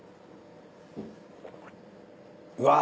うわ。